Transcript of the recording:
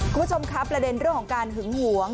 คุณผู้ชมครับประเด็นเรื่องของการหึงหวง